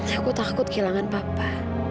aku takut kehilangan papa